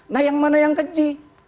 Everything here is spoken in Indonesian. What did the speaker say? nah yang mana yang kecil